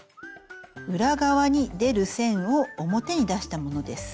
裏側に出る線を表に出したものです。